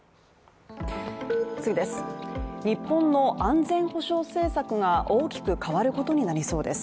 日本の安全保障政策が大きく変わることになりそうです。